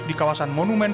terima kasih pak riana